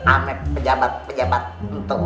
amai pejabat pejabat itu